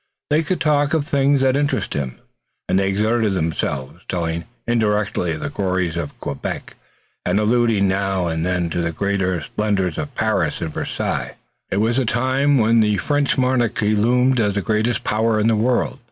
They could talk of things that interested him, and they exerted themselves, telling indirectly of the glories of Quebec and alluding now and then to the greater splendors of Paris and Versailles. It was a time when the French monarchy loomed as the greatest power in the world.